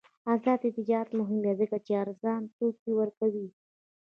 آزاد تجارت مهم دی ځکه چې ارزان توکي ورکوي.